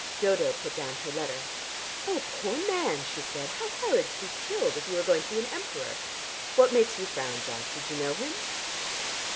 Dodo put down her letter. "Oh, poor man!" she said. "How horrid to be killed, if you were going to be an Emperor! What makes you frown, Jack? Did you know him?"